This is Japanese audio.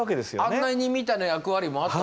案内人みたいな役割もあった。